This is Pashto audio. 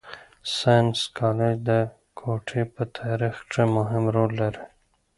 ساینس کالج د کوټي په تارېخ کښي مهم رول لري.